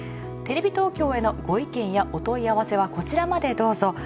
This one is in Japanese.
テレビ東京へのご意見やお問い合わせはこちらまでどうぞ。